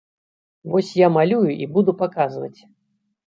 Вось я малюю і буду паказваць!